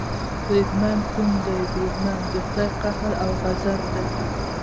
بریدمن، کوم دی بریدمن، د خدای قهر او غضب دې.